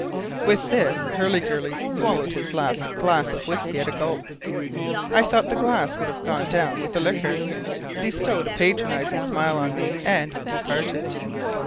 With this, Hurliguerly swallowed his last glass of whisky at a gulp I thought the glass would have gone down with the liquor bestowed a patronizing smile on me, and departed.